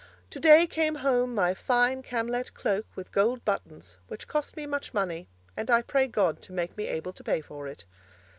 'Today came home my fine Camlett cloak with gold buttons, which cost me much money, and I pray God to make me able to pay for it.'